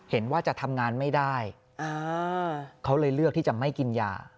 เห็นว่าจะทำงานไม่ได้เขาเลยเลือกที่จะไม่กินยา